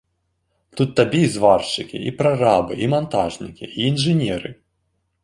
Тут табе і зваршчыкі, і прарабы, і мантажнікі, і інжынеры.